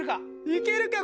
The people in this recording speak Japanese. いけるか？